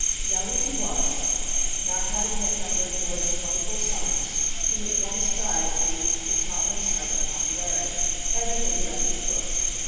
Young as he was, not having yet numbered more than twenty four summers, he at one stride reached the topmost height of popularity. Everybody read his book.